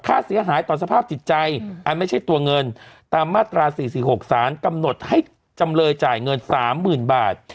ค่าเสียหายต่อสภาพจิตใจอันไม่ใช่ตัวเงินตามมาตรา๔๔๖สารกำหนดให้จำเลยจ่ายเงิน๓๐๐๐บาท